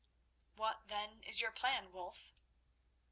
"What, then, is your plan, Wulf?"